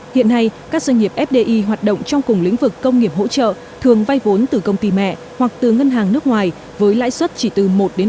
hiện nay các doanh nghiệp fdi hoạt động trong cùng lĩnh vực công nghiệp hỗ trợ thường vay vốn từ công ty mẹ hoặc từ ngân hàng nước ngoài với lãi suất chỉ từ một ba mươi